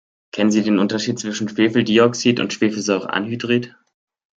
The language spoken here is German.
Kennen Sie den Unterschied zwischen Schwefeldioxid und Schwefelsäureanhydrid?